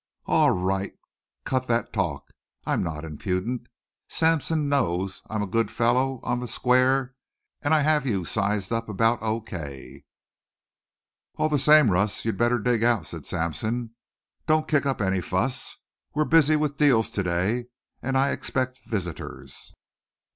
"Aw, Wright, cut that talk. I'm not impudent. Sampson knows I'm a good fellow, on the square, and I have you sized up about O.K." "All the same, Russ, you'd better dig out," said Sampson. "Don't kick up any fuss. We're busy with deals to day. And I expect visitors."